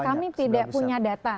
kami tidak punya data